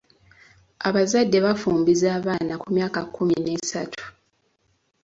Abazadde bafumbiza abaana ku myaka kkumi n'esatu.